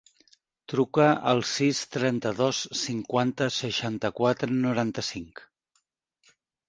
Truca al sis, trenta-dos, cinquanta, seixanta-quatre, noranta-cinc.